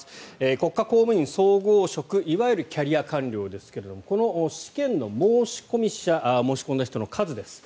国家公務員総合職いわゆるキャリア官僚ですがこの試験の申込者申し込んだ人の数です。